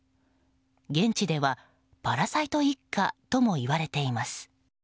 現地では、パラサイト一家とも言われています。